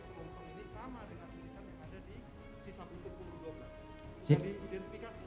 selongsong ini sama dengan tulisan yang ada di